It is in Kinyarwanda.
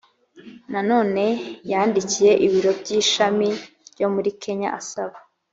nanone yandikiye ibiro by ishami byo muri kenya asaba